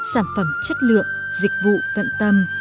sản phẩm chất lượng dịch vụ cận tâm